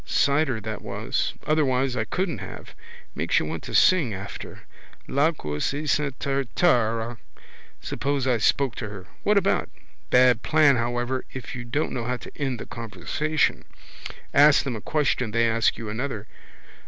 Cider that was. Otherwise I couldn't have. Makes you want to sing after. Lacaus esant taratara. Suppose I spoke to her. What about? Bad plan however if you don't know how to end the conversation. Ask them a question they ask you another.